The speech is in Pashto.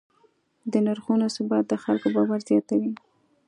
د نرخونو ثبات د خلکو باور زیاتوي.